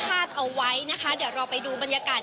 เอาไว้นะคะเดี๋ยวเราไปดูบรรยากาศ